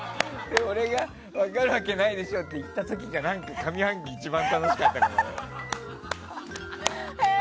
俺が分かるわけないでしょって言った時が上半期、一番楽しかったかも。